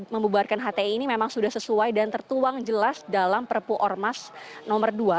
membubarkan hti ini memang sudah sesuai dan tertuang jelas dalam perpu ormas nomor dua